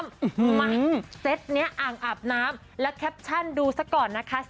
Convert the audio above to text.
มาเซ็ตนี้อ่างอาบน้ำและแคปชั่นดูซะก่อนนะคะ